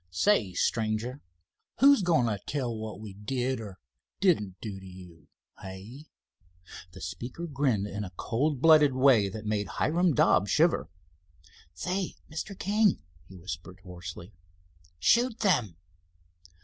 "Say, stranger, who's going to tell what we did or didn't do to you, hey?" The speaker grinned in a cold blooded way that made Hiram Dobbs shiver. "Say, Mr. King," he whispered hoarsely, "shoot them."